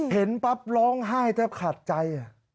เห็นปั๊บร้องไห้แทบขาดใจ